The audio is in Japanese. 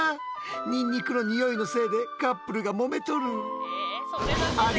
ニンニクのニオイのせいでカップルがもめとる。